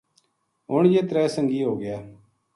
ہن یہ ترے سنگی ہو گیا